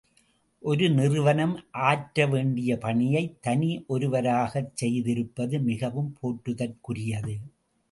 ஒரு நிறுவனம் ஆற்ற வேண்டிய பணியை, தனி ஒருவராக செய்திருப்பது மிகவும் போற்றுதற்குரியது.